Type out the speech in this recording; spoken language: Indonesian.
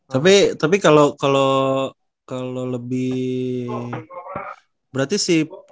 tapi tapi kalo kalo kalo lebih berarti si